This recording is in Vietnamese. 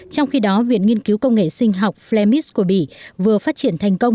trong khi đó viện nghiên cứu công nghệ sinh học flemis của bỉ vừa phát triển thành công